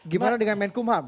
gimana dengan menkumham